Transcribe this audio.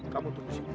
kamu tunggu sini